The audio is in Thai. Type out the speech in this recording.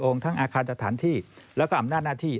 ทั้งอาคารสถานที่แล้วก็อำนาจหน้าที่